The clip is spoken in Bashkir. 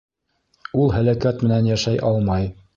Ул һәләкәт менән йәшәй алмай.